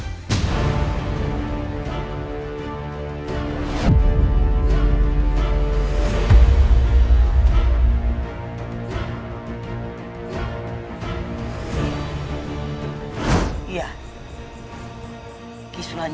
aku tidak akan berhasil